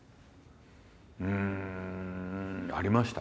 うんありました。